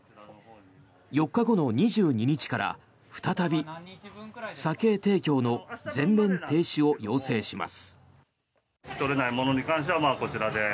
４日後の２２日から再び酒提供の全面停止を要請します。